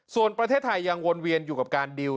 ส่วนประเทศไทยยังวนเวียนอยู่กับการดิว